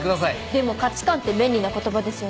でも価値観って便利な言葉ですよね。